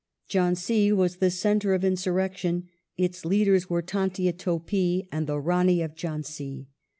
Jhdnsi was the centre of insurrec tion ; its leaders were Tantia Topi and the Rani of Jhansi.